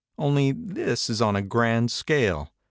Only, this is on a grand scale.